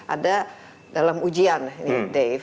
ada dalam ujian dave